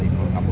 pak ero pak ero